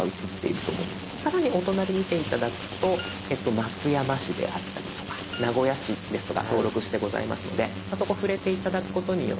さらにお隣見て頂くと松山市であったりとか名古屋市ですとか登録してございますのでそこ触れて頂くことによって。